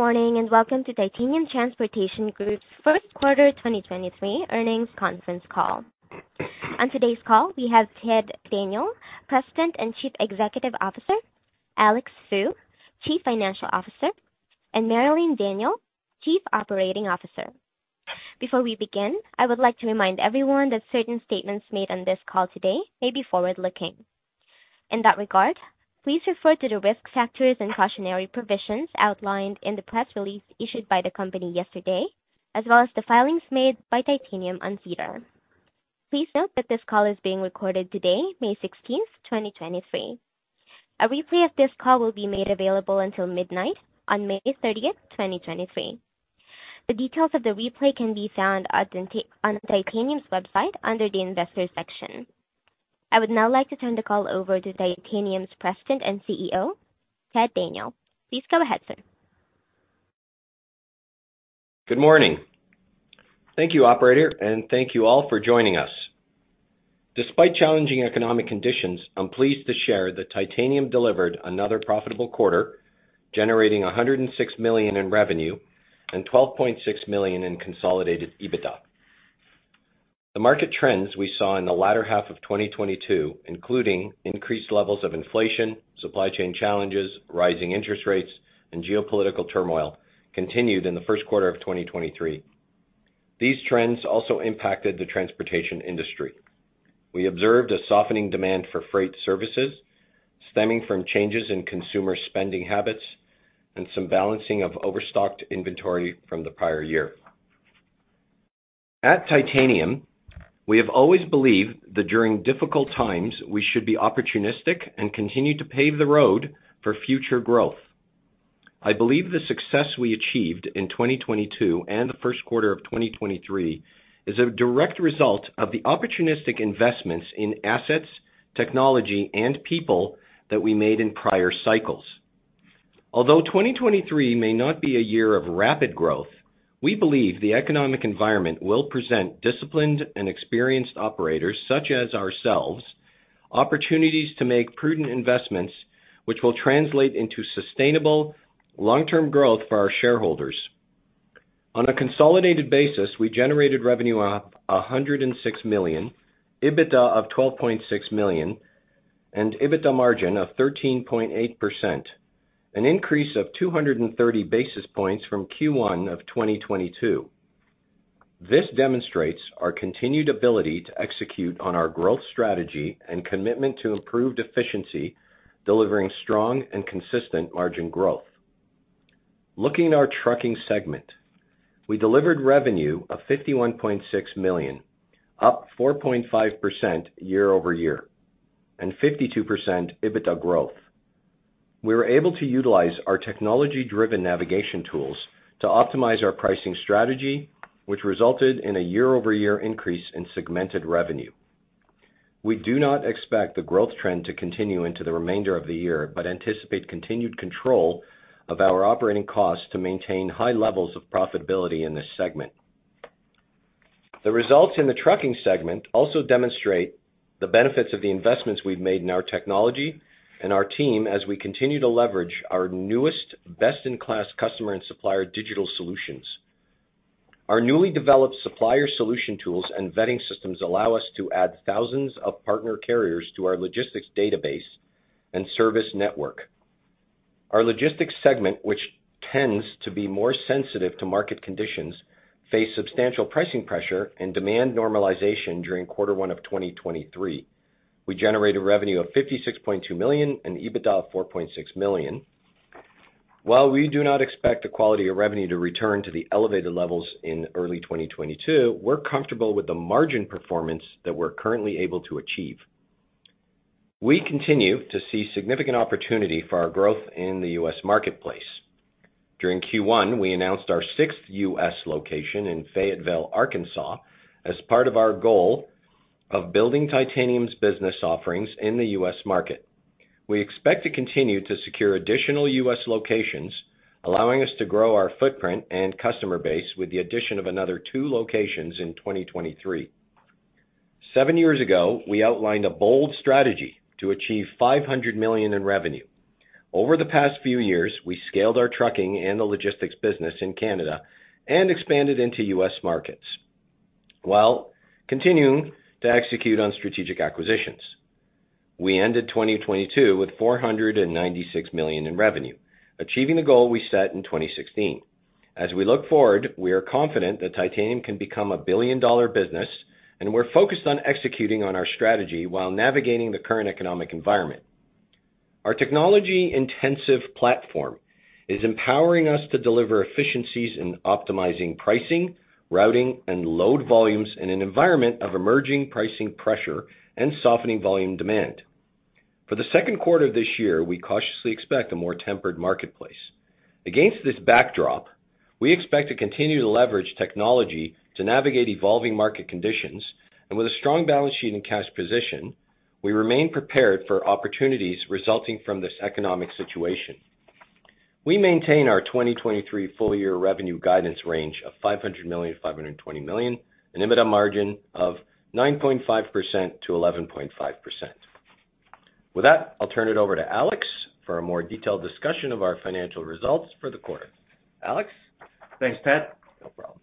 Good morning, and welcome to Titanium Transportation Group's First Quarter 2023 Earnings Conference Call. On today's call, we have Ted Daniel, President and Chief Executive Officer, Alex Fu, Chief Financial Officer, and Marilyn Daniel, Chief Operating Officer. Before we begin, I would like to remind everyone that certain statements made on this call today may be forward-looking. In that regard, please refer to the risk factors and cautionary provisions outlined in the press release issued by the company yesterday, as well as the filings made on Titanium on SEDAR. Please note that this call is being recorded today, May 16th, 2023. A replay of this call will be made available until midnight on May 30th, 2023. The details of the replay can be found on Titanium's website under the Investors section. I would now like to turn the call over to Titanium's President and CEO, Ted Daniel. Please go ahead, sir. Good morning. Thank you, operator, and thank you all for joining us. Despite challenging economic conditions, I'm pleased to share that Titanium delivered another profitable quarter, generating 106 million in revenue and 12.6 million in consolidated EBITDA. The market trends we saw in the latter half of 2022, including increased levels of inflation, supply chain challenges, rising interest rates, and geopolitical turmoil, continued in the first quarter of 2023. These trends also impacted the transportation industry. We observed a softening demand for freight services stemming from changes in consumer spending habits and some balancing of overstocked inventory from the prior year. At Titanium, we have always believed that during difficult times, we should be opportunistic and continue to pave the road for future growth. I believe the success we achieved in 2022 and the first quarter of 2023 is a direct result of the opportunistic investments in assets, technology, and people that we made in prior cycles. Although 2023 may not be a year of rapid growth, we believe the economic environment will present disciplined and experienced operators, such as ourselves, opportunities to make prudent investments which will translate into sustainable long-term growth for our shareholders. On a consolidated basis, we generated revenue of 106 million, EBITDA of 12.6 million, and EBITDA margin of 13.8%, an increase of 230 basis points from Q1 of 2022. This demonstrates our continued ability to execute on our growth strategy and commitment to improved efficiency, delivering strong and consistent margin growth. Looking at our trucking segment, we delivered revenue of CAD $51.6 million, up 4.5% year-over-year, and 52% EBITDA growth. We were able to utilize our technology-driven navigation tools to optimize our pricing strategy, which resulted in a year-over-year increase in segmented revenue. We do not expect the growth trend to continue into the remainder of the year, but anticipate continued control of our operating costs to maintain high levels of profitability in this segment. The results in the trucking segment also demonstrate the benefits of the investments we've made in our technology and our team as we continue to leverage our newest best-in-class customer and supplier digital solutions. Our newly developed supplier solution tools and vetting systems allow us to add thousands of partner carriers to our logistics database and service network. Our logistics segment, which tends to be more sensitive to market conditions, face substantial pricing pressure and demand normalization during quarter one of 2023. We generated revenue of 56.2 million and EBITDA of 4.6 million. While we do not expect the quality of revenue to return to the elevated levels in early 2022, we're comfortable with the margin performance that we're currently able to achieve. We continue to see significant opportunity for our growth in the U.S. marketplace. During Q1, we announced our sixth U.S. location in Fayetteville, Arkansas, as part of our goal of building Titanium's business offerings in the U.S. market. We expect to continue to secure additional U.S. locations, allowing us to grow our footprint and customer base with the addition of another two locations in 2023. Seven years ago, we outlined a bold strategy to achieve 500 million in revenue. Over the past few years, we scaled our trucking and logistics business in Canada and expanded into U.S. markets, while continuing to execute on strategic acquisitions. We ended 2022 with 496 million in revenue, achieving the goal we set in 2016. As we look forward, we are confident that Titanium can become a billion-dollar business. We're focused on executing on our strategy while navigating the current economic environment. Our technology-intensive platform is empowering us to deliver efficiencies in optimizing pricing, routing, and load volumes in an environment of emerging pricing pressure and softening volume demand. For the second quarter of this year, we cautiously expect a more tempered marketplace. Against this backdrop, we expect to continue to leverage technology to navigate evolving market conditions. With a strong balance sheet and cash position, we remain prepared for opportunities resulting from this economic situation. We maintain our 2023 full-year revenue guidance range of 500 million-520 million, an EBITDA margin of 9.5%-11.5%. With that, I'll turn it over to Alex for a more detailed discussion of our financial results for the quarter. Alex. Thanks, Ted. No problem.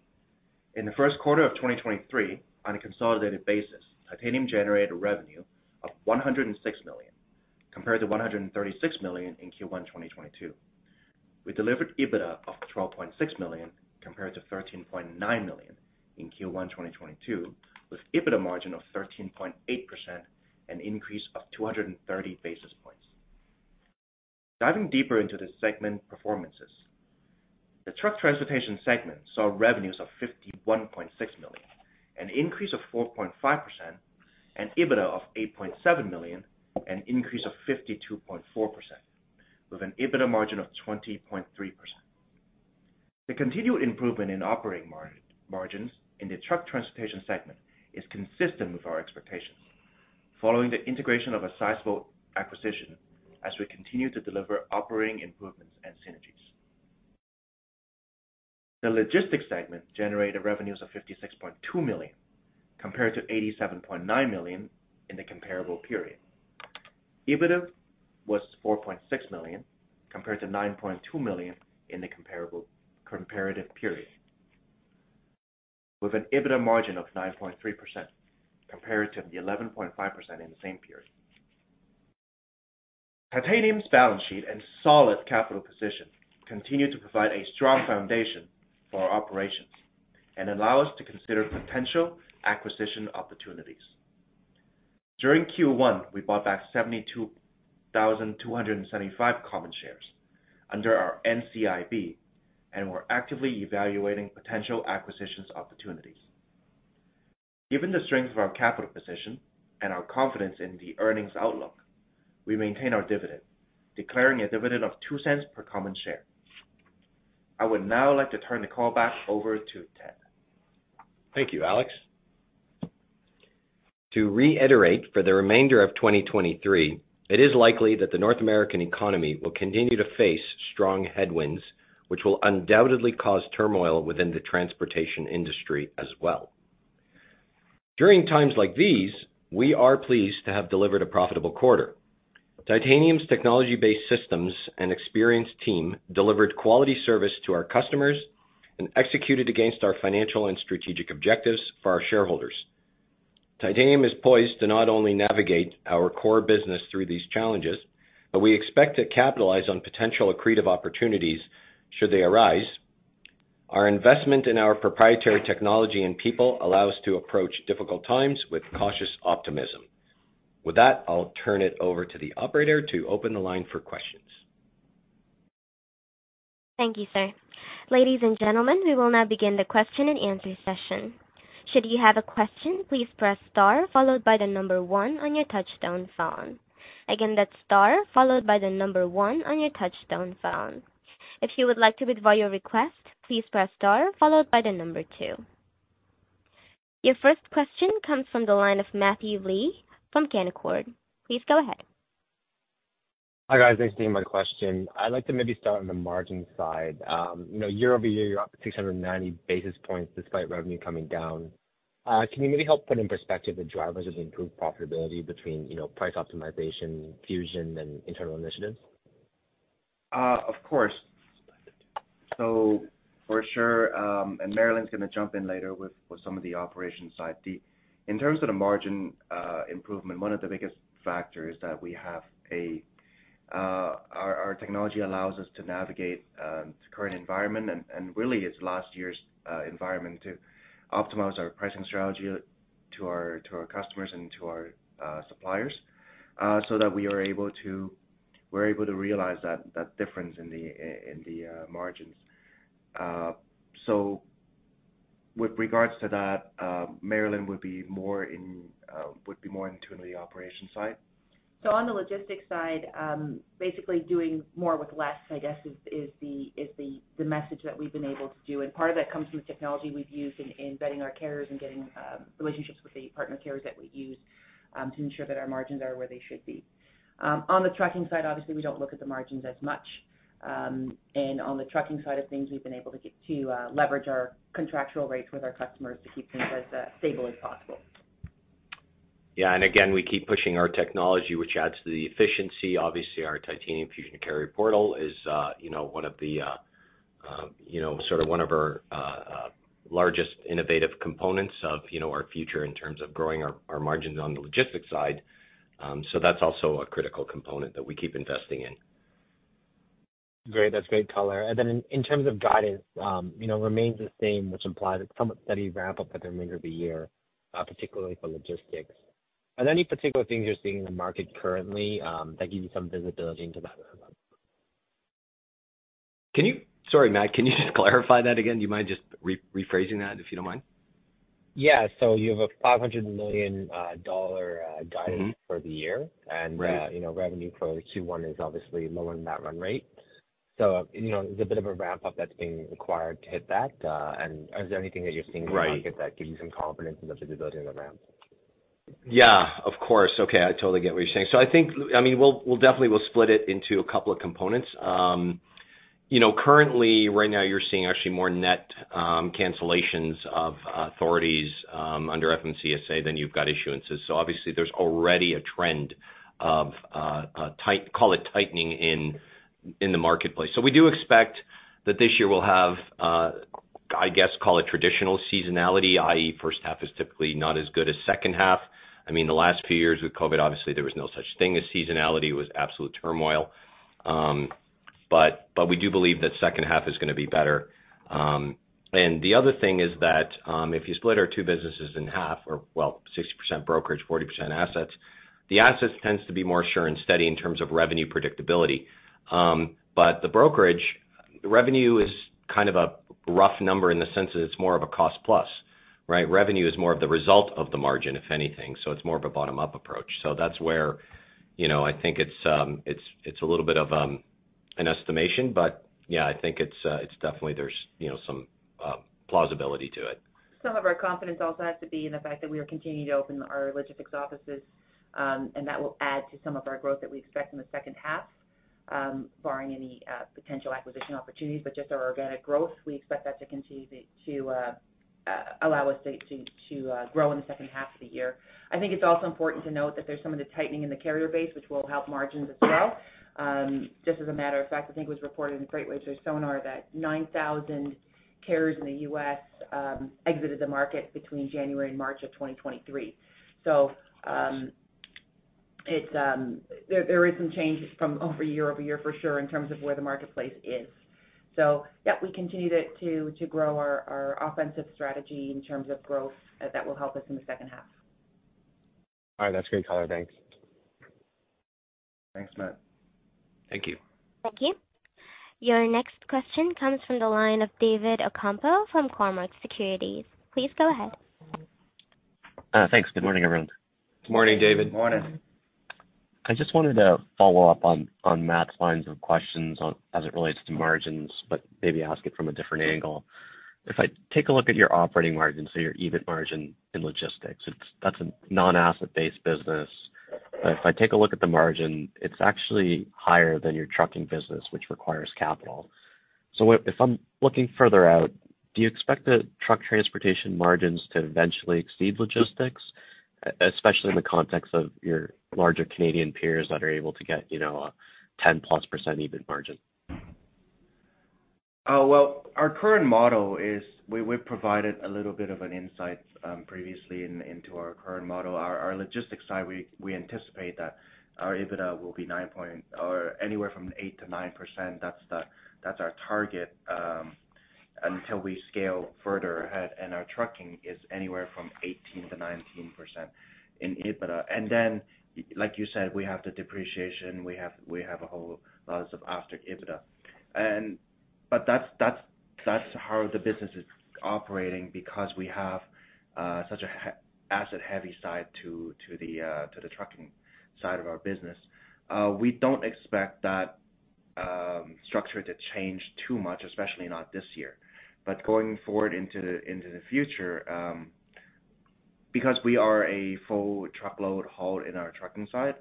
In the first quarter of 2023, on a consolidated basis, Titanium generated revenue of 106 million, compared to 136 million in Q1 2022. We delivered EBITDA of 12.6 million, compared to 13.9 million in Q1 2022, with EBITDA margin of 13.8%, an increase of 230 basis points. Diving deeper into the segment performances. The truck transportation segment saw revenues of 51.6 million, an increase of 4.5%, and EBITDA of 8.7 million, an increase of 52.4%, with an EBITDA margin of 20.3%. The continued improvement in operating margins in the truck transportation segment is consistent with our expectations following the integration of a sizable acquisition as we continue to deliver operating improvements and synergies. The logistics segment generated revenues of 56.2 million, compared to 87.9 million in the comparable period. EBITDA was 4.6 million, compared to 9.2 million in the comparative period, with an EBITDA margin of 9.3% compared to the 11.5% in the same period. Titanium's balance sheet and solid capital position continue to provide a strong foundation for our operations and allow us to consider potential acquisition opportunities. During Q1, we bought back 72,275 common shares under our NCIB, we're actively evaluating potential acquisitions opportunities. Given the strength of our capital position and our confidence in the earnings outlook, we maintain our dividend, declaring a dividend of 0.02 per common share. I would now like to turn the call back over to Ted. Thank you, Alex. To reiterate, for the remainder of 2023, it is likely that the North American economy will continue to face strong headwinds, which will undoubtedly cause turmoil within the transportation industry as well. During times like these, we are pleased to have delivered a profitable quarter. Titanium's technology-based systems and experienced team delivered quality service to our customers and executed against our financial and strategic objectives for our shareholders. Titanium is poised to not only navigate our core business through these challenges, but we expect to capitalize on potential accretive opportunities should they arise. Our investment in our proprietary technology and people allow us to approach difficult times with cautious optimism. With that, I'll turn it over to the operator to open the line for questions. Thank you, sir. Ladies and gentlemen, we will now begin the question and answer session. Should you have a question, please press star followed by one on your touchtone phone. Again, that's star followed by one on your touchtone phone. If you would like to withdraw your request, please press star followed by two. Your first question comes from the line of Matthew Lee from Canaccord. Please go ahead. Hi, guys. Thanks for taking my question. I'd like to maybe start on the margin side. You know, year-over-year, you're up 690 basis points despite revenue coming down. Can you maybe help put in perspective the drivers of improved profitability between, you know, price optimization, Fusion and internal initiatives? Of course. For sure, Marilyn's gonna jump in later with some of the operation side. In terms of the margin improvement, one of the biggest factors that we have our technology allows us to navigate the current environment and really it's last year's environment to optimize our pricing strategy to our customers and to our suppliers so that we're able to realize that difference in the margins. With regards to that, Marilyn would be more in tune with the operation side. On the logistics side, basically doing more with less, I guess, is the message that we've been able to do. Part of that comes with technology we've used in vetting our carriers and getting relationships with the partner carriers that we use to ensure that our margins are where they should be. On the trucking side, obviously, we don't look at the margins as much. On the trucking side of things, we've been able to get to leverage our contractual rates with our customers to keep things as stable as possible. Yeah. Again, we keep pushing our technology, which adds to the efficiency. Obviously, our Titanium Transportation Carrier Portal is, you know, one of the, you know, sort of one of our largest innovative components of, you know, our future in terms of growing our margins on the logistics side. That's also a critical component that we keep investing in. Great. That's great color. In terms of guidance, you know, remains the same, which implies some steady ramp up for the remainder of the year, particularly for logistics. Are there any particular things you're seeing in the market currently that give you some visibility into that ramp up? Sorry, Matt, can you just clarify that again? Do you mind just re-rephrasing that, if you don't mind? You have a 500 million dollar guidance for the year. Mm-hmm. Right. You know, revenue for Q1 is obviously lower than that run rate. You know, there's a bit of a ramp up that's being required to hit that. Is there anything that you're seeing? Right.... in the market that gives you some confidence in the visibility of the ramp? Yeah, of course. Okay, I totally get what you're saying. I mean, we'll definitely we'll split it into a couple of components. You know, currently right now you're seeing actually more net cancellations of authorities under FMCSA than you've got issuances. Obviously there's already a trend of call it tightening in the marketplace. We do expect that this year we'll have I guess call it traditional seasonality, i.e., first half is typically not as good as second half. I mean, the last few years with COVID obviously there was no such thing as seasonality. It was absolute turmoil. But we do believe that second half is gonna be better. The other thing is that, if you split our two businesses in half or, well, 60% brokerage, 40% assets, the assets tends to be more sure and steady in terms of revenue predictability. The brokerage revenue is kind of a rough number in the sense that it's more of a cost plus, right? Revenue is more of the result of the margin, if anything. It's more of a bottom-up approach. That's where, you know, I think it's a little bit of an estimation. Yeah, I think it's definitely there's, you know, some plausibility to it. Some of our confidence also has to be in the fact that we are continuing to open our logistics offices, and that will add to some of our growth that we expect in the second half, barring any potential acquisition opportunities. Just our organic growth, we expect that to continue to allow us to grow in the second half of the year. I think it's also important to note that there's some of the tightening in the carrier base, which will help margins as well. Just as a matter of fact, I think it was reported in FreightWaves or SONAR that 9,000 carriers in the U.S. exited the market between January and March of 2023. It's, there is some changes from year-over-year for sure in terms of where the marketplace is. Yeah, we continue to grow our offensive strategy in terms of growth, that will help us in the second half. All right. That's great, color. Thanks. Thanks, Matt. Thank you. Thank you. Your next question comes from the line of David Ocampo from Cormark Securities. Please go ahead. Thanks. Good morning, everyone. Good morning, David. Morning. I just wanted to follow up on Matthew's lines of questions on as it relates to margins, but maybe ask it from a different angle. If I take a look at your operating margins or your EBIT margin in logistics, that's a non-asset-based business. If I take a look at the margin, it's actually higher than your trucking business, which requires capital. If I'm looking further out, do you expect the truck transportation margins to eventually exceed logistics, especially in the context of your larger Canadian peers that are able to get, you know, a 10%+ EBIT margin? Our current model is we've provided a little bit of an insight previously into our current model. Our logistics side, we anticipate that our EBITDA will be 8%-9%. That's our target until we scale further ahead. Our trucking is anywhere from 18%-19% in EBITDA. Then like you said, we have the depreciation. We have a whole lots of after EBITDA. But that's how the business is operating because we have such a asset heavy side to the trucking side of our business. We don't expect that structure to change too much, especially not this year. Going forward into the, into the future, because we are a full truckload haul in our trucking side,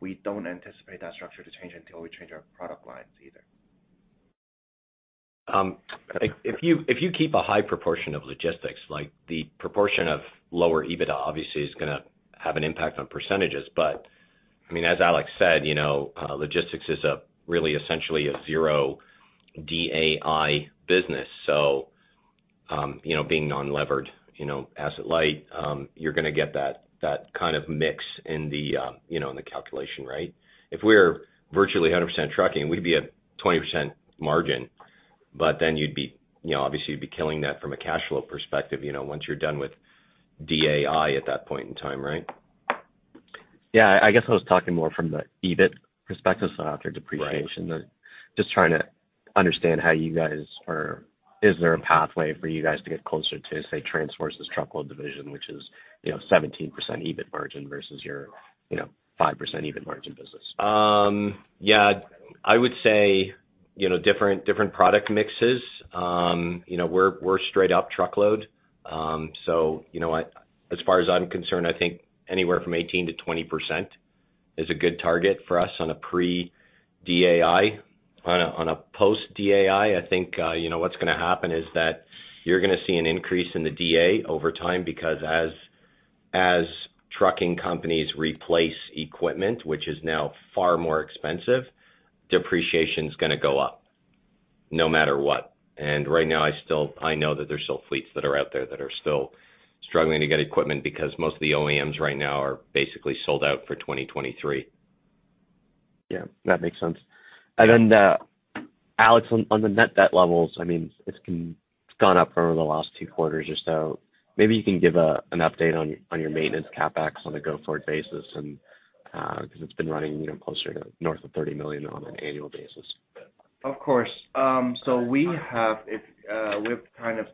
we don't anticipate that structure to change until we change our product lines either. If you keep a high proportion of logistics, like the proportion of lower EBITDA obviously is gonna have an impact on percentages. I mean, as Alex said, you know, logistics is a really essentially a zero sum business. You know, being non-levered, you know, asset light, you're gonna get that kind of mix in the, you know, in the calculation, right? If we're virtually a 100% trucking, we'd be at 20% margin. You'd be, you know, obviously you'd be killing that from a cash flow perspective, you know, once you're done with sum at that point in time, right? Yeah. I guess I was talking more from the EBIT perspective, so after depreciation. Right. Just trying to understand is there a pathway for you guys to get closer to, say, TransForce's truckload division, which is, you know, 17% EBIT margin versus your, you know, 5% EBIT margin business? Yeah, I would say, you know, different product mixes. You know, we're straight up truckload. You know what? As far as I'm concerned, I think anywhere from 18%-20% is a good target for us on a pre-sum. On a, on a post-sum, I think, you know, what's gonna happen is that you're gonna see an increase in the DA over time because as trucking companies replace equipment, which is now far more expensive, depreciation's gonna go up no matter what. Right now I know that there's still fleets that are out there that are still struggling to get equipment because most of the OEMs right now are basically sold out for 2023. Yeah, that makes sense. Alex, on the net debt levels, I mean, it's gone up over the last two quarters or so. Maybe you can give an update on your maintenance CapEx on a go-forward basis and, 'cause it's been running, you know, closer to north of 30 million on an annual basis. Of course. We have, if, we've kind of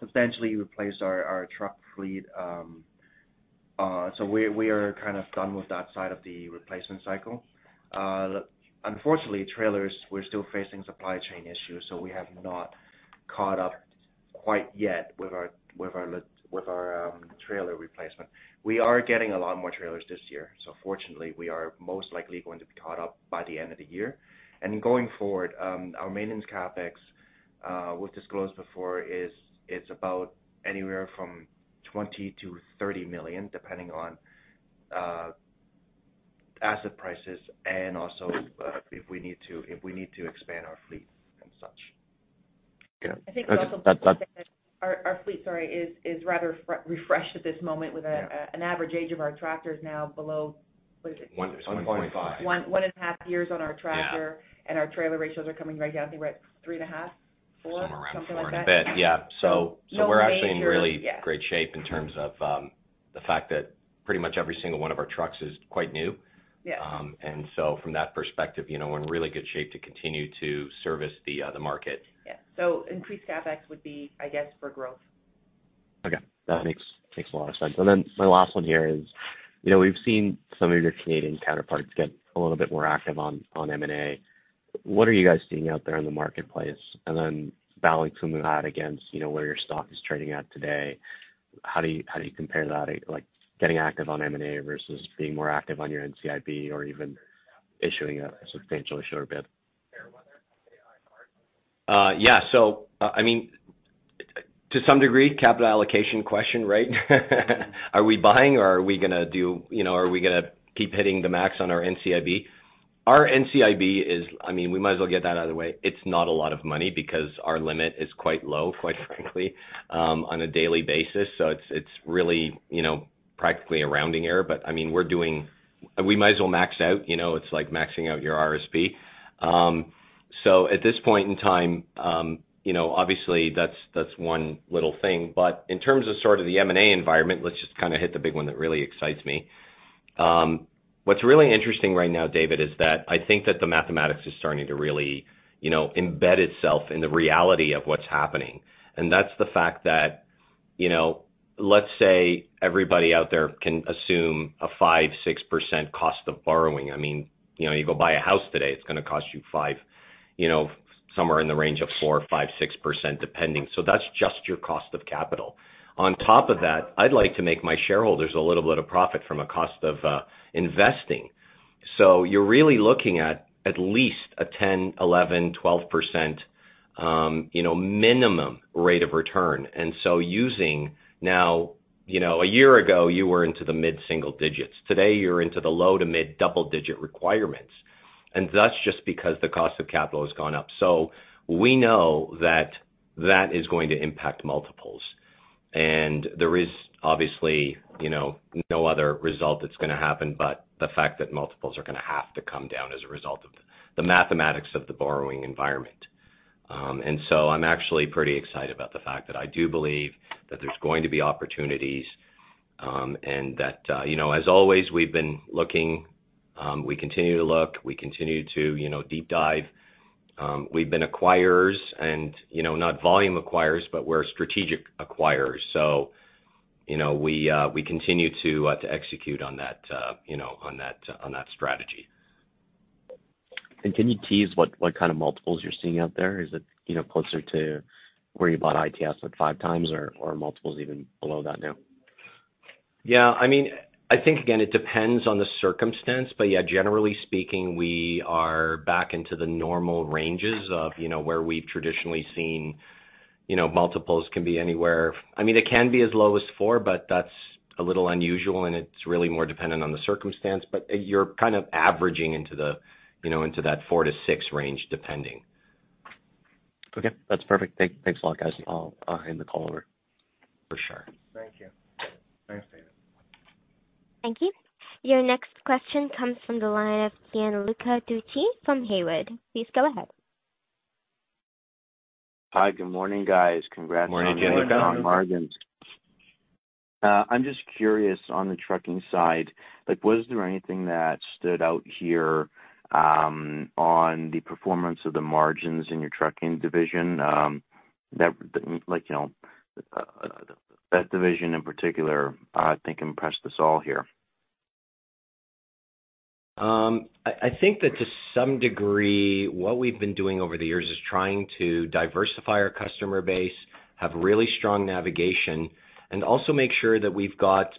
substantially replaced our truck fleet. We, we are kind of done with that side of the replacement cycle. Unfortunately, trailers, we're still facing supply chain issues, so we have not caught up. Quite yet with our trailer replacement. We are getting a lot more trailers this year, so fortunately we are most likely going to be caught up by the end of the year. Going forward, our maintenance CapEx we've disclosed before is about anywhere from 20 million-30 million, depending on asset prices and also if we need to expand our fleet and such. Yeah. I think we also need to say that our fleet, sorry, is rather refreshed at this moment. Yeah. An average age of our tractors now below... What is it? One-point-five. One, one and a half years on our tractor. Yeah. Our trailer ratios are coming right down. I think we're at 3.5, four? Somewhere around four. Something like that. Yeah. No major... Yeah. We're actually in really great shape in terms of, the fact that pretty much every single one of our trucks is quite new. Yeah. From that perspective, you know, we're in really good shape to continue to service the market. Yeah. Increased CapEx would be, I guess, for growth. Okay. That makes a lot of sense. My last one here is, you know, we've seen some of your Canadian counterparts get a little bit more active on M&A. What are you guys seeing out there in the marketplace? Balancing that against, you know, where your stock is trading at today, how do you, how do you compare that, like getting active on M&A versus being more active on your NCIB or even issuing a substantial share bid? Yeah. I mean, to some degree, capital allocation question, right? Are we buying or are we gonna keep hitting the max on our NCIB? Our NCIB is, I mean, we might as well get that out of the way. It's not a lot of money because our limit is quite low, quite frankly, on a daily basis. It's, it's really, you know, practically a rounding error. I mean, we might as well max out, you know. It's like maxing out your RSP. At this point in time, you know, obviously that's one little thing. In terms of sort of the M&A environment, let's just kinda hit the big one that really excites me. What's really interesting right now, David, is that I think that the mathematics is starting to really, you know, embed itself in the reality of what's happening. That's the fact that, you know, let's say everybody out there can assume a 5%, 6% cost of borrowing. I mean, you know, you go buy a house today, it's gonna cost you 5%, you know, somewhere in the range of 4%, 5%, 6%, depending. That's just your cost of capital. On top of that, I'd like to make my shareholders a little bit of profit from a cost of investing. You're really looking at at least a 10%, 11%, 12%, you know, minimum rate of return. Using now... You know, a year ago, you were into the mid-single digits. Today, you're into the low to mid-double digit requirements. That's just because the cost of capital has gone up. We know that that is going to impact multiples. There is obviously, you know, no other result that's gonna happen, but the fact that multiples are gonna have to come down as a result of the mathematics of the borrowing environment. I'm actually pretty excited about the fact that I do believe that there's going to be opportunities, and that, you know, as always, we've been looking, we continue to look, we continue to, you know, deep dive. We've been acquirers and, you know, not volume acquirers, but we're strategic acquirers. You know, we continue to execute on that, you know, on that strategy. Can you tease what kind of multiples you're seeing out there? Is it, you know, closer to where you bought ITS at 5x or multiples even below that now? Yeah. I mean, I think again, it depends on the circumstance. Yeah, generally speaking, we are back into the normal ranges of, you know, where we've traditionally seen, you know, multiples can be anywhere. It can be as low as 4%, but that's a little unusual, and it's really more dependent on the circumstance. You're kind of averaging into the, you know, into that 4%-6% range, depending. Okay. That's perfect. Thanks a lot, guys. I'll hand the call over. For sure. Thank you. Thanks, David. Thank you. Your next question comes from the line of Gianluca Tucci from Haywood. Please go ahead. Hi. Good morning, guys. Congrats- Morning, Gianluca. On margins. I'm just curious on the trucking side, like was there anything that stood out here, on the performance of the margins in your trucking division, that like, you know, that division in particular, I think impressed us all here? I think that to some degree, what we've been doing over the years is trying to diversify our customer base, have really strong navigation, and also make sure that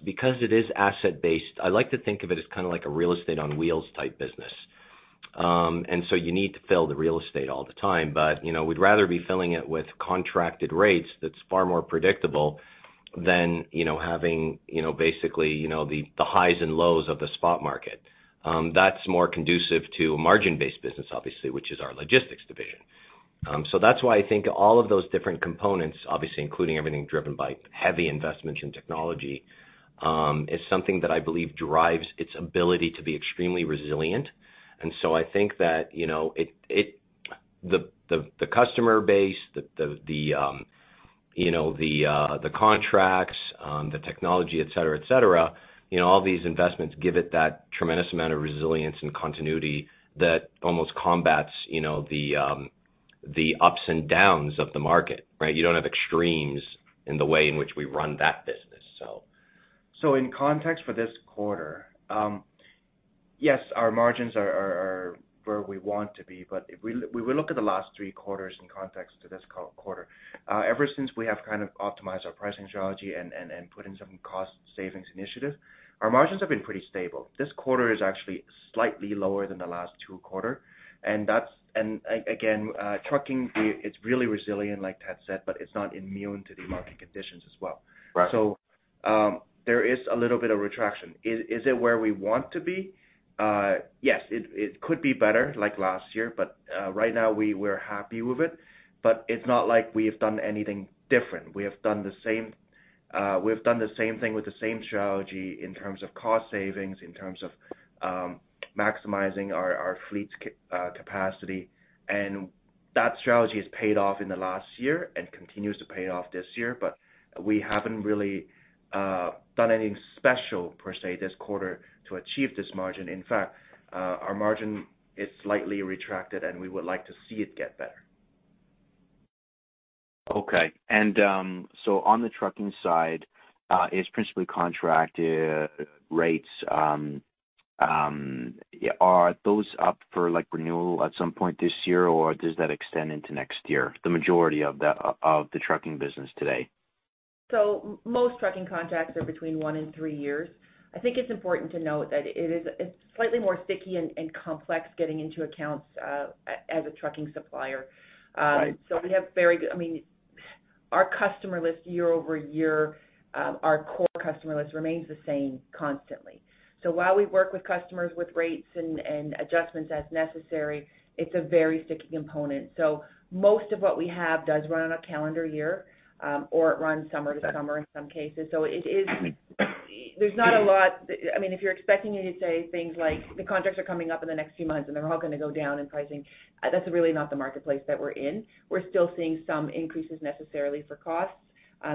because it is asset-based, I like to think of it as kinda like a real estate on wheels type business. You need to fill the real estate all the time. You know, we'd rather be filling it with contracted rates that's far more predictable than, you know, having, you know, basically, you know, the highs and lows of the spot market. That's more conducive to a margin-based business, obviously, which is our logistics division. That's why I think all of those different components, obviously, including everything driven by heavy investments in technology, is something that I believe drives its ability to be extremely resilient. I think that, you know, the customer base, the, you know, the contracts, the technology, et cetera, et cetera, you know, all these investments give it that tremendous amount of resilience and continuity that almost combats, you know, the ups and downs of the market, right? You don't have extremes in the way in which we run that business. In context for this quarter, yes, our margins are where we want to be. If we will look at the last three quarters in context to this quarter. Ever since we have kind of optimized our pricing strategy and put in some cost savings initiative, our margins have been pretty stable. This quarter is actually slightly lower than the last two quarter, and again, trucking is, it's really resilient, like Ted said, but it's not immune to the market conditions as well. Right. There is a little bit of retraction. Is it where we want to be? Yes, it could be better like last year, right now we're happy with it. It's not like we have done anything different. We have done the same, we've done the same thing with the same strategy in terms of cost savings, in terms of maximizing our fleet's capacity. That strategy has paid off in the last year and continues to pay off this year. We haven't really done anything special per se this quarter to achieve this margin. In fact, our margin is slightly retracted, and we would like to see it get better. Okay. On the trucking side, it's principally contracted rates, are those up for like renewal at some point this year, or does that extend into next year, the majority of the trucking business today? most trucking contracts are between one and three years. I think it's important to note that it's slightly more sticky and complex getting into accounts, as a trucking supplier. Right. We have very I mean, our customer list year-over-year, our core customer list remains the same constantly. While we work with customers with rates and adjustments as necessary, it's a very sticky component. Most of what we have does run on a calendar year, or it runs summer to summer in some cases. It. Mm-hmm. There's not a lot. I mean, if you're expecting me to say things like, the contracts are coming up in the next few months, and they're all gonna go down in pricing, that's really not the marketplace that we're in. We're still seeing some increases necessarily for costs,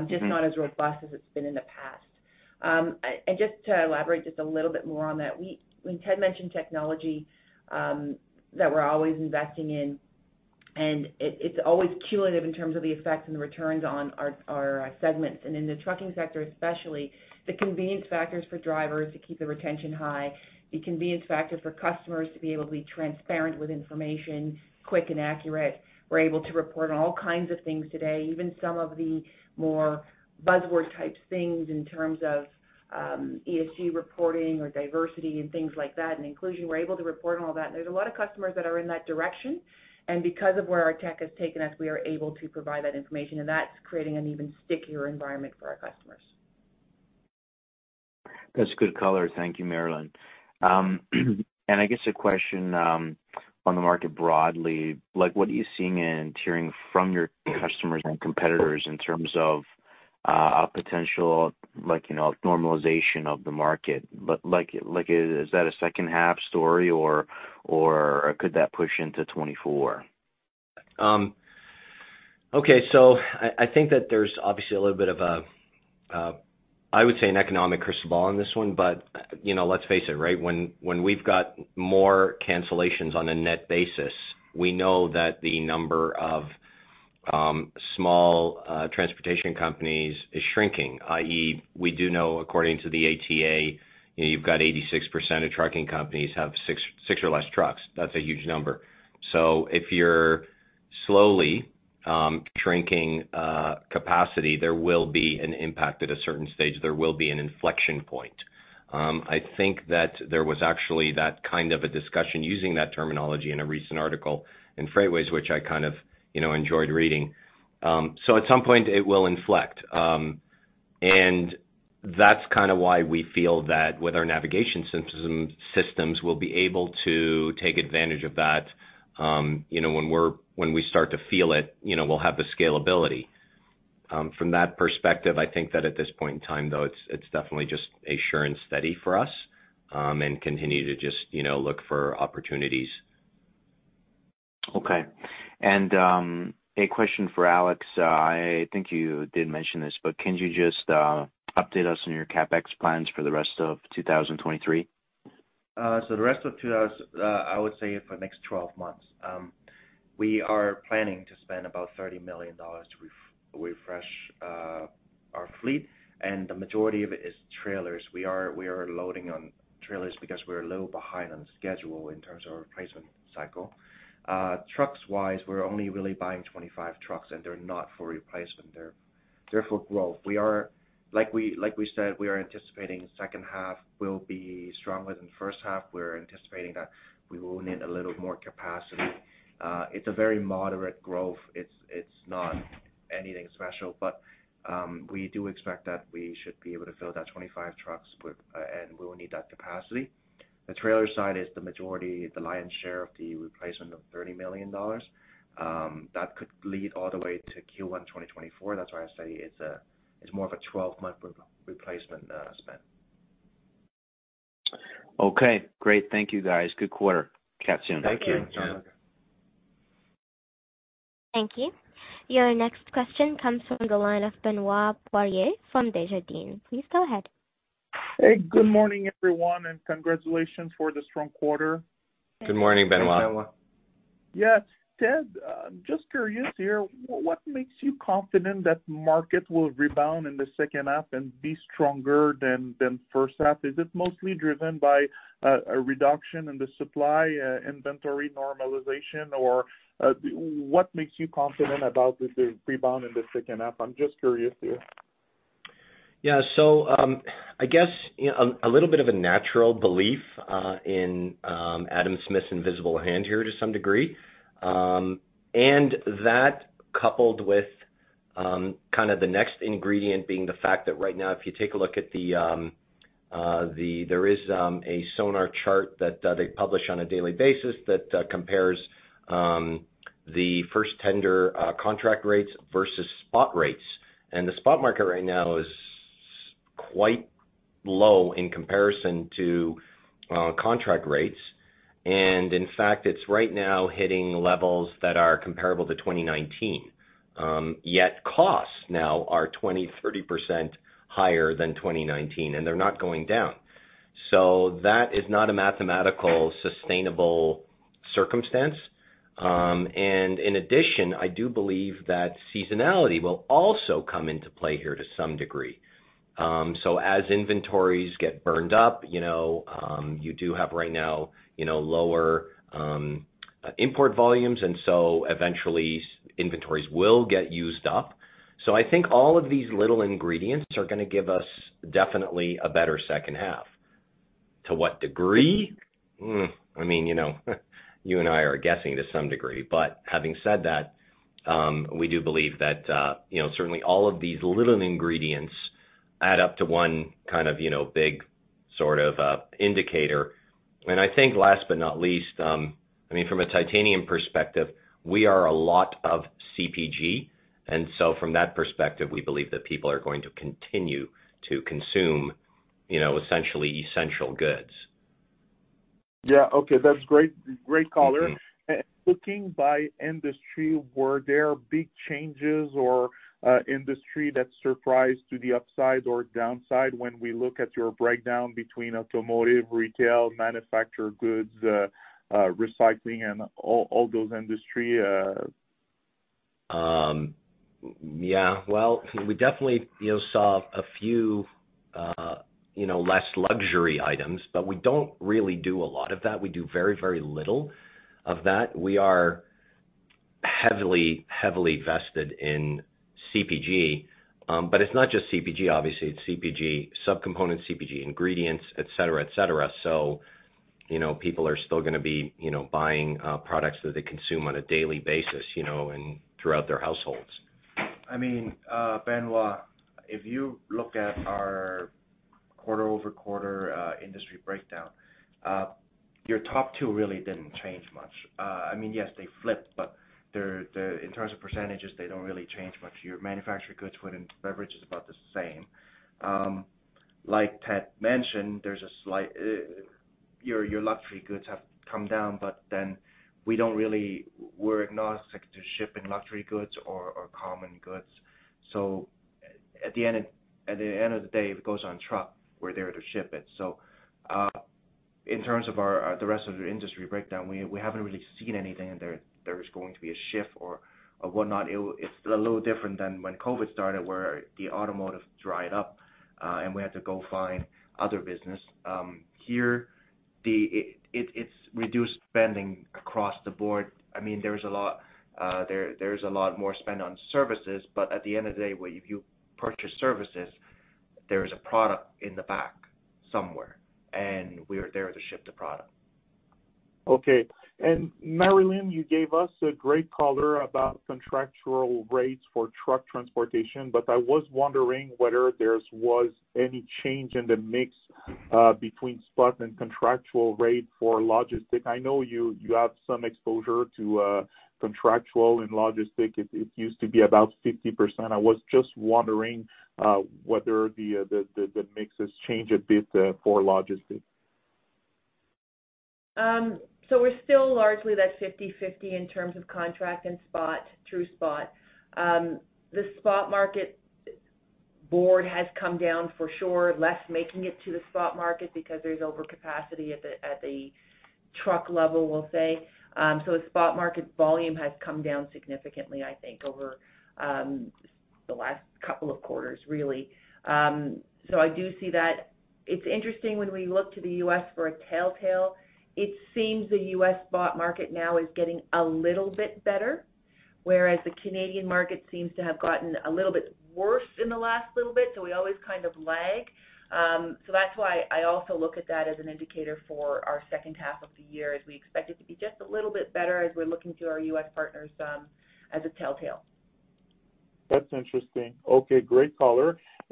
just not as robust as it's been in the past. Just to elaborate just a little bit more on that, when Ted mentioned technology, that we're always investing in, and it's always cumulative in terms of the effects and the returns on our segments. In the trucking sector, especially the convenience factors for drivers to keep the retention high, the convenience factor for customers to be able to be transparent with information, quick and accurate. We're able to report on all kinds of things today, even some of the more buzzword type things in terms of ESG reporting or diversity and things like that, and inclusion. We're able to report on all that. There's a lot of customers that are in that direction. Because of where our tech has taken us, we are able to provide that information, and that's creating an even stickier environment for our customers. That's good color. Thank you, Marilyn. I guess a question on the market broadly, like what are you seeing and hearing from your customers and competitors in terms of a potential like, you know, normalization of the market? Like, is that a second half story or could that push into 2024? Okay. I think that there's obviously a little bit of a, I would say an economic crystal ball on this one, but, you know, let's face it, right? When we've got more cancellations on a net basis, we know that the number of small transportation companies is shrinking, i.e., we do know according to the ATA, you've got 86% of trucking companies have 6 or less trucks. That's a huge number. If you're slowly shrinking capacity, there will be an impact at a certain stage. There will be an inflection point. I think that there was actually that kind of a discussion using that terminology in a recent article in FreightWaves, which I kind of, you know, enjoyed reading. At some point it will inflect. That's kinda why we feel that with our navigation systems, we'll be able to take advantage of that, you know, when we start to feel it, you know, we'll have the scalability. From that perspective, I think that at this point in time, though, it's definitely just assurance steady for us, and continue to just, you know, look for opportunities. Okay. A question for Alex. I think you did mention this, but can you just update us on your CapEx plans for the rest of 2023? The rest of 2000. I would say for next 12 months. We are planning to spend about 30 million dollars to refresh our fleet, and the majority of it is trailers. We are loading on trailers because we're a little behind on schedule in terms of replacement cycle. Trucks-wise, we're only really buying 25 trucks, and they're not for replacement. They're for growth. Like we said, we are anticipating second half will be stronger than first half. We're anticipating that we will need a little more capacity. It's a very moderate growth. It's not anything special. We do expect that we should be able to fill that 25 trucks with, and we will need that capacity. The trailer side is the majority, the lion's share of the replacement of 30 million dollars. That could lead all the way to Q1, 2024. That's why I say it's more of a 12-month re-replacement spend. Okay, great. Thank you, guys. Good quarter. Chat soon. Thank you. Thank you. Your next question comes from the line of Benoit Poirier from Desjardins. Please go ahead. Hey, good morning, everyone, and congratulations for the strong quarter. Good morning, Benoit. Yeah. Ted, just curious here, what makes you confident that market will rebound in the second half and be stronger than first half? Is it mostly driven by a reduction in the supply, inventory normalization? What makes you confident about the rebound in the second half? I'm just curious here. Yeah. I guess, you know, a little bit of a natural belief in Adam Smith's invisible hand here to some degree. That coupled with kinda the next ingredient being the fact that right now if you take a look at the... There is a SONAR chart that they publish on a daily basis that compares the first tender contract rates versus spot rates. The spot market right now is quite low in comparison to contract rates. In fact, it's right now hitting levels that are comparable to 2019. Yet costs now are 20%, 30% higher than 2019, and they're not going down. That is not a mathematical sustainable circumstance. In addition, I do believe that seasonality will also come into play here to some degree. As inventories get burned up, you know, you do have right now, you know, lower, import volumes, and so eventually inventories will get used up. I think all of these little ingredients are gonna give us definitely a better second half. To what degree? I mean, you know, you and I are guessing to some degree. Having said that, we do believe that, you know, certainly all of these little ingredients add up to one kind of, you know, big sort of, indicator. I think last but not least, I mean, from a Titanium perspective, we are a lot of CPG. From that perspective, we believe that people are going to continue to consume, you know, essentially essential goods. Yeah. Okay. That's great. Great color. Thank you. Looking by industry, were there big changes or industry that surprised to the upside or downside when we look at your breakdown between automotive, retail, manufactured goods, recycling and all those industry? Yeah. Well, we definitely, you know, saw a few, you know, less luxury items, but we don't really do a lot of that. We do very little of that. We are heavily vested in CPG. It's not just CPG, obviously. It's CPG subcomponents, CPG ingredients, et cetera. You know, people are still gonna be, you know, buying products that they consume on a daily basis, you know, and throughout their households. I mean, Benoit, if you look at our quarter-over-quarter industry breakdown, your top two really didn't change much. I mean, yes, they flipped, but in terms of percentages, they don't really change much. Your manufactured goods within beverages is about the same. Like Ted mentioned, there's a slight, your luxury goods have come down, but then we don't really We're agnostic to shipping luxury goods or common goods. At the end of the day, if it goes on truck, we're there to ship it. In terms of our the rest of the industry breakdown, we haven't really seen anything in there that there's going to be a shift or whatnot. It's a little different than when COVID started, where the automotive dried up, and we had to go find other business. Here, it's reduced spending across the board. I mean, there's a lot, there's a lot more spend on services. At the end of the day, when you purchase services, there is a product in the back somewhere, and we are there to ship the product. Okay. Marilyn, you gave us a great color about contractual rates for truck transportation, but I was wondering whether there was any change in the mix between spot and contractual rate for logistic. I know you have some exposure to contractual and logistic. It used to be about 50%. I was just wondering whether the mix has changed a bit for logistic. We're still largely that 50/50 in terms of contract and spot through spot. The spot market board has come down for sure, less making it to the spot market because there's overcapacity at the truck level, we'll say. The spot market volume has come down significantly, I think, over the last couple of quarters really. I do see that. It's interesting when we look to the U.S. for a telltale, it seems the U.S. spot market now is getting a little bit better, whereas the Canadian market seems to have gotten a little bit worse in the last little bit. We always kind of lag. That's why I also look at that as an indicator for our second half of the year, as we expect it to be just a little bit better as we're looking to our U.S. partners, as a telltale. That's interesting. Okay. Great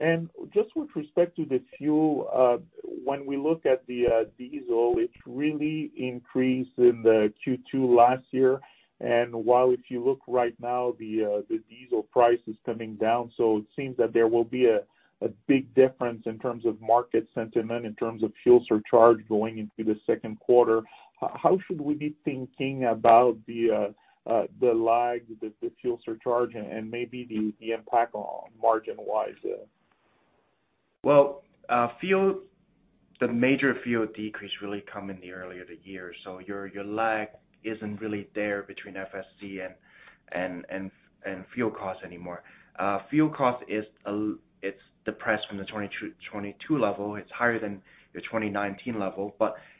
color. Just with respect to the fuel, when we look at the diesel, it really increased in the Q2 last year. While if you look right now, the diesel price is coming down, it seems that there will be a big difference in terms of market sentiment, in terms of fuel surcharge going into the second quarter. How should we be thinking about the lag, the fuel surcharge and maybe the impact on margin wise? Fuel, the major fuel decrease really come in the earlier the year. Your lag isn't really there between FSC and fuel costs anymore. Fuel cost is depressed from the 2022 level. It's higher than your 2019 level,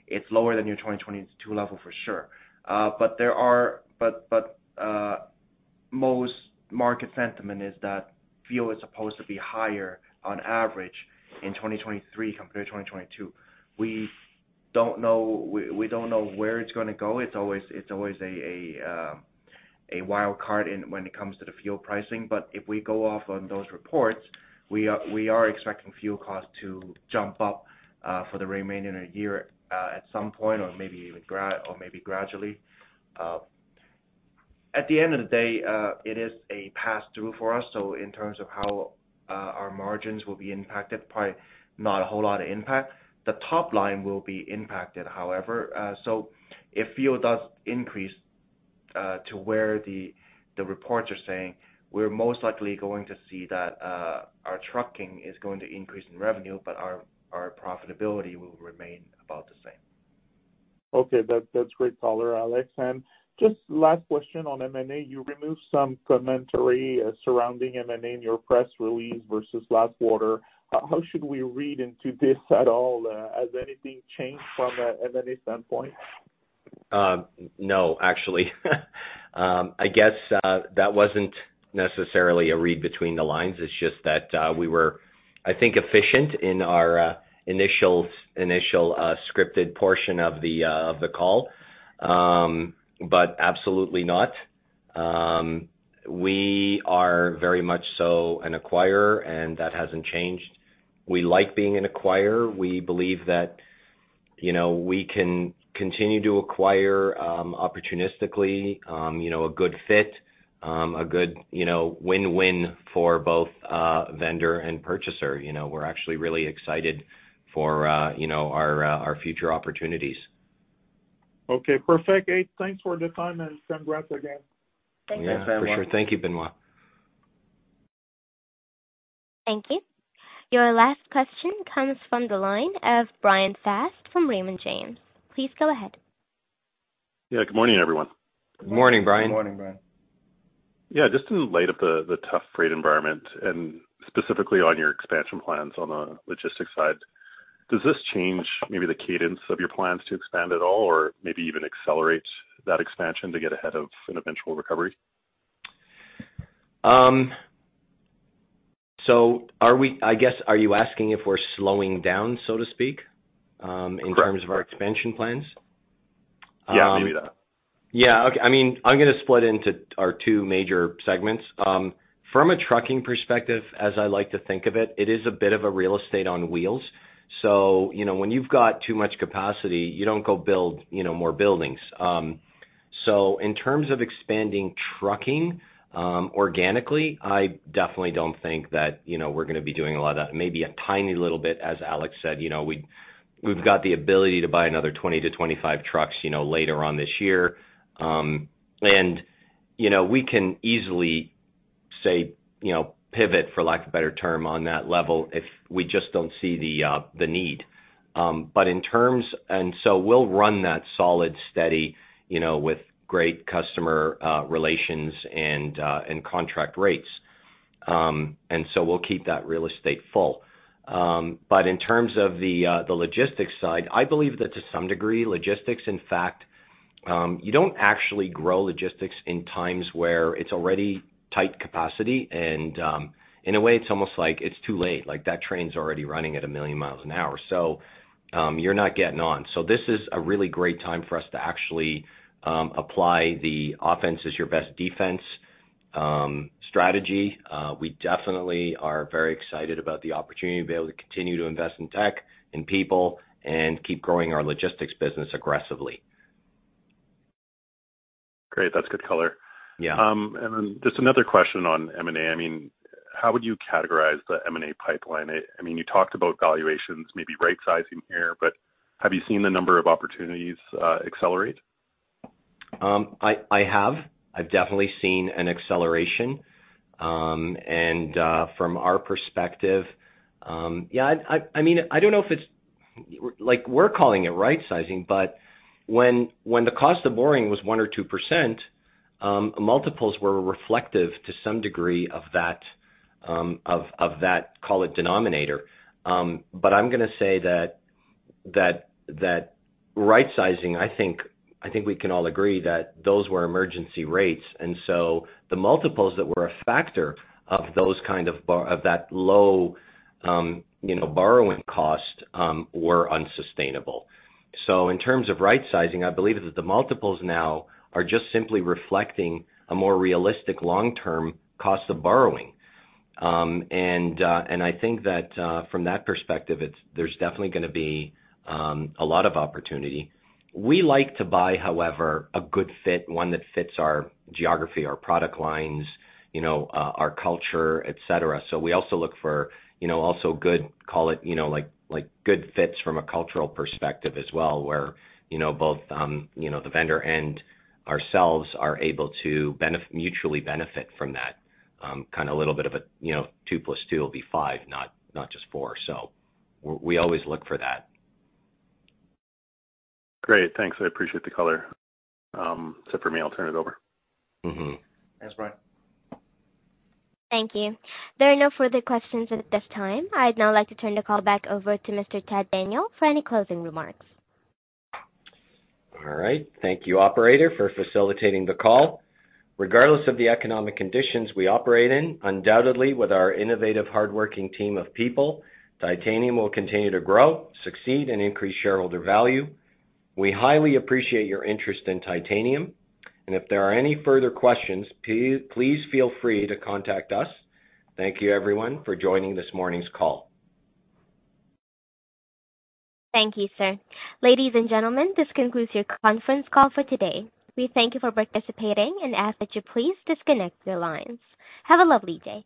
it's lower than your 2022 level for sure. Most market sentiment is that fuel is supposed to be higher on average in 2023 compared to 2022. We don't know, we don't know where it's gonna go. It's always a wild card in when it comes to the fuel pricing. If we go off on those reports, we are expecting fuel costs to jump up for the remaining of the year, at some point or gradually. At the end of the day, it is a pass-through for us. In terms of how our margins will be impacted, probably not a whole lot of impact. The top line will be impacted, however. If fuel does increase to where the reports are saying, we're most likely going to see that our trucking is going to increase in revenue, but our profitability will remain about the same. Okay. That's great color, Alex. Just last question on M&A. You removed some commentary surrounding M&A in your press release versus last quarter. How should we read into this at all? Has anything changed from a M&A standpoint? No, actually. I guess that wasn't necessarily a read between the lines. It's just that we were, I think, efficient in our initial scripted portion of the of the call. Absolutely not. We are very much so an acquirer, and that hasn't changed. We like being an acquirer. We believe that, you know, we can continue to acquire opportunistically, you know, a good fit, a good, you know, win-win for both vendor and purchaser. You know, we're actually really excited for, you know, our future opportunities. Okay, perfect. Great. Thanks for the time and some breath again. Thank you. Yeah, for sure. Thank you, Benoit. Thank you. Your last question comes from the line of Brian Pow from Raymond James. Please go ahead. Yeah. Good morning, everyone. Good morning, Brian. Good morning, Brian. Yeah, just in light of the tough freight environment, and specifically on your expansion plans on the logistics side, does this change maybe the cadence of your plans to expand at all or maybe even accelerate that expansion to get ahead of an eventual recovery? I guess, are you asking if we're slowing down, so to speak? Correct... in terms of our expansion plans? Yeah, maybe that. Yeah. Okay. I mean, I'm gonna split into our two major segments. From a trucking perspective, as I like to think of it is a bit of a real estate on wheels. You know, when you've got too much capacity, you don't go build, you know, more buildings. In terms of expanding trucking, organically, I definitely don't think that, you know, we're gonna be doing a lot of that. Maybe a tiny little bit, as Alex said. You know, we've got the ability to buy another 20-25 trucks, you know, later on this year. You know, we can easily say, you know, pivot, for lack of a better term, on that level if we just don't see the need. In terms... We'll run that solid, steady, you know, with great customer relations and contract rates. We'll keep that real estate full. In terms of the logistics side, I believe that to some degree, logistics, in fact, you don't actually grow logistics in times where it's already tight capacity and, in a way it's almost like it's too late. Like, that train's already running at 1 million miles an hour, so you're not getting on. This is a really great time for us to actually apply the offense is your best defense strategy. We definitely are very excited about the opportunity to be able to continue to invest in tech and people and keep growing our logistics business aggressively. Great. That's good color. Yeah. Just another question on M&A. I mean, how would you categorize the M&A pipeline? I mean, you talked about valuations, maybe right-sizing here, but have you seen the number of opportunities accelerate? I have. I've definitely seen an acceleration. I, I mean, I don't know if it's... Like, we're calling it right sizing, but when the cost of borrowing was 1% or 2%, multiples were reflective to some degree of that, of that, call it denominator. I'm gonna say that right sizing, I think, I think we can all agree that those were emergency rates and the multiples that were a factor of those kind of that low, you know, borrowing cost, were unsustainable. In terms of right sizing, I believe that the multiples now are just simply reflecting a more realistic long-term cost of borrowing. I think that from that perspective, there's definitely gonna be a lot of opportunity. We like to buy, however, a good fit, one that fits our geography, our product lines, you know, our culture, et cetera. We also look for, you know, also good, call it, you know, like good fits from a cultural perspective as well, where, you know, both, the vendor and ourselves are able to mutually benefit from that. Kind of a little bit of a, you know, two olus two will be five, not just four. We always look for that. Great. Thanks. I appreciate the color. That's it for me. I'll turn it over. Mm-hmm. Thanks, Brian. Thank you. There are no further questions at this time. I'd now like to turn the call back over to Mr. Ted Daniel for any closing remarks. All right. Thank you, operator, for facilitating the call. Regardless of the economic conditions we operate in, undoubtedly with our innovative, hardworking team of people, Titanium will continue to grow, succeed, and increase shareholder value. We highly appreciate your interest in Titanium. If there are any further questions, please feel free to contact us. Thank you everyone for joining this morning's call. Thank you, sir. Ladies and gentlemen, this concludes your conference call for today. We thank you for participating and ask that you please disconnect the lines. Have a lovely day.